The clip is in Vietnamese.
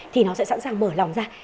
thì nó sẽ sẵn sàng mở lòng ra